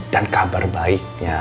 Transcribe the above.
dan kabar baiknya